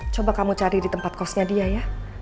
coba kamu cari di tempat kosnya dia ya